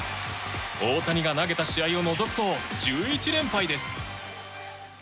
大谷が投げた試合を除くと１１連敗です。